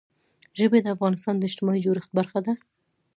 ژبې د افغانستان د اجتماعي جوړښت برخه ده.